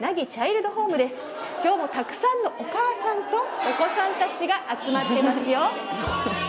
今日もたくさんのお母さんとお子さんたちが集まってますよ。